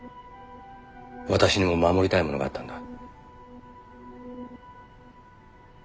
私にも守りたいものがあったんだ。